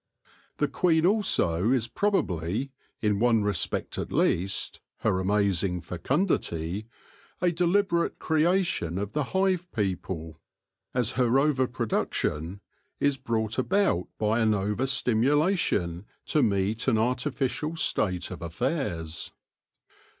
The queen also is probably, in one respect at least — her amazing fecundity — a deliberate creation of the hive people, as her over production is po THE LORE OF THE HONEY BEE brought about by over stimulation to meet an artifi cial state of affairs.